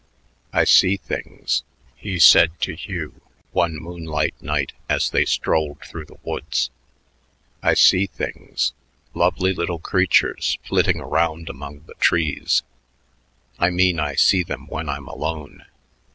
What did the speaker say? "I see things," he said to Hugh one moonlight night as they strolled through the woods; "I see things, lovely little creatures flitting around among the trees: I mean I see them when I'm alone.